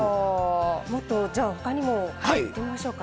もっとじゃあ他にもいってみましょうか。